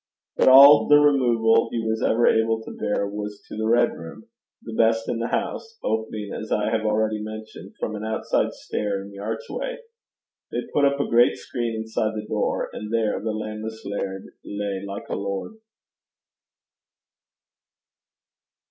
But all the removal he was ever able to bear was to the 'red room,' the best in the house, opening, as I have already mentioned, from an outside stair in the archway. They put up a great screen inside the door, and there the lan'less laird lay like a lord.